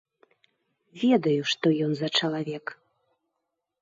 Ведаю, што ён за чалавек.